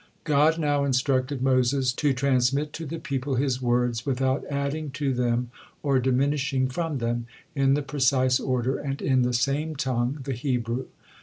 God now instructed Moses to transmit to the people His words without adding to them or diminishing from them, in the precise order and in the same tongue, the Hebrew.